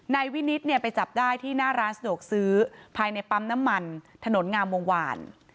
นายวินิตเนี่ยไปจับได้ที่หน้าร้านสะดวกซื้อภายในปั๊มน้ำมันถนนงามวงวาน